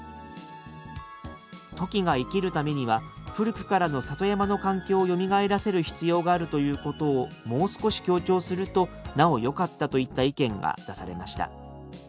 「トキが生きるためには古くからの里山の環境をよみがえらせる必要があるということをもう少し強調するとなおよかった」といった意見が出されました。